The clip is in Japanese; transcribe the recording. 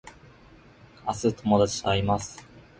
明日友達と会います